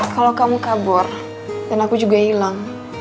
kalau kamu kabur dan aku juga hilang